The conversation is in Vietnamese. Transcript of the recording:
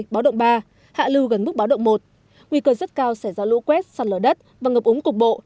báo động ba hạ lưu gần mức báo động một nguy cơ rất cao sẽ ra lũ quét sạt lở đất và ngập úng cục bộ